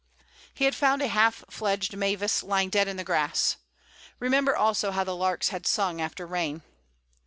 He had found a half fledged mavis lying dead in the grass. Remember also how the larks had sung after rain.